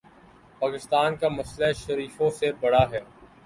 پاکستان کا مسئلہ شریفوں سے بڑا ہے۔